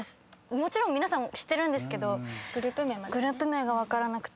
もちろん皆さん知ってるんですけどグループ名が分からなくて。